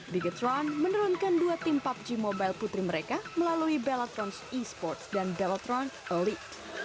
bigetron menurunkan dua tim pubg mobile putri mereka melalui bellatron esports dan bellatron elite